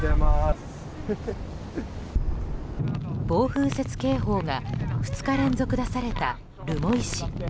暴風雪警報が２日連続出された留萌市。